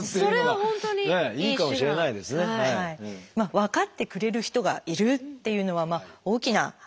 分かってくれる人がいるっていうのは大きな力になります。